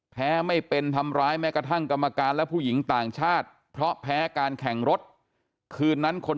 ไม่เป็นทำร้ายแม้กระทั่งกรรมการและผู้หญิงต่างชาติเพราะแพ้การแข่งรถคืนนั้นคน